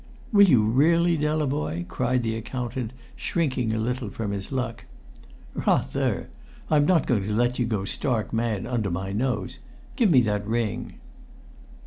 "Will you really, Delavoye?" cried the accountant, shrinking a little from his luck. "Rather! I'm not going to let you go stark mad under my nose. Give me that ring."